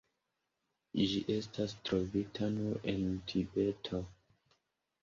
Ĝi estas trovita nur en Tibeto.